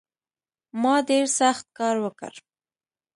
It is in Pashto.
ما ډېر سخت کار وکړ